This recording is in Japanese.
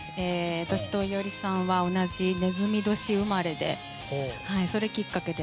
私と依与吏さんは同じ、ねずみ年生まれでそれきっかけで。